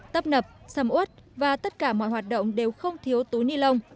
tấp nập xăm út và tất cả mọi hoạt động đều không thiếu túi ni lông